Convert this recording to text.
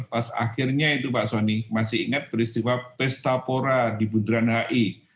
pas akhirnya itu pak soni masih ingat peristiwa pesta pora di bundaran hi